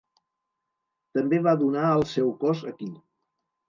També va donar el seu cos aquí.